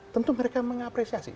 tentu mereka mengapresiasi